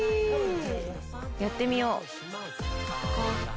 やってみよう。